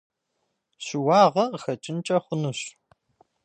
Щыуагъэ къыхэкӏынкӏэ хъунущ.